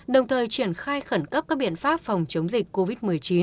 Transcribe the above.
đồng thời triển khai khẩn cấp các biện pháp phòng chống dịch covid một mươi chín